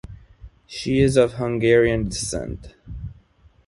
She is of Hungarian descent.